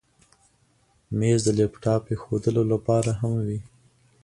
مېز د لپټاپ ایښودلو لپاره هم وي.